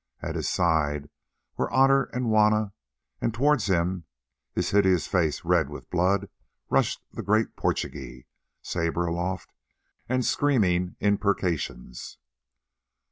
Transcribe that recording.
At his side were Otter and Juanna, and towards him, his hideous face red with blood, rushed the great Portugee, sabre aloft, and screaming imprecations.